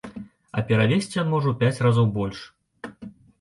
А перавезці ён можа у пяць разоў больш.